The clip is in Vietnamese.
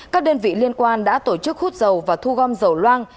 các đơn vị liên quan đã tổ chức hút dầu và thu gom dầu loang